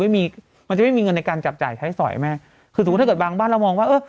มันจะไม่มีเงินในการจับจ่ายใช้สอยแม่คือสมมุติถ้าเกิดบางบ้านเรามองว่าเออ